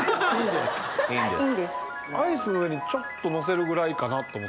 アイスの上にちょっとのせるぐらいかなと思ってたんですけど。